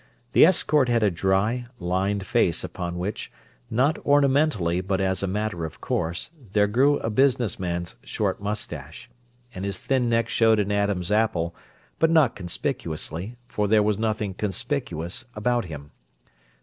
The escort had a dry, lined face upon which, not ornamentally but as a matter of course, there grew a business man's short moustache; and his thin neck showed an Adam's apple, but not conspicuously, for there was nothing conspicuous about him.